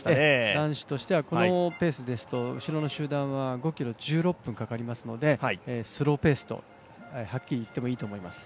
男子としてはこのペースですと５ｋｍ、１６分かかりますので、スローペースとはっきり言ってもいいと思います。